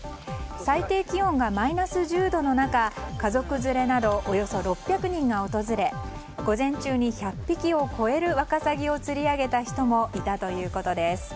最低気温がマイナス１０度の中家族連れなどおよそ６００人が訪れ午前中に１００匹を超えるワカサギを釣り上げた人もいたということです。